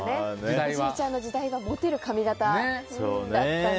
おじいちゃんの時代はモテる髪形だったんですね。